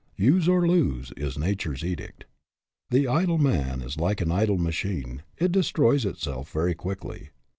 " Use or lose " is Nature's edict. The idle man is like an idle machine. It de stroys itself very quickly.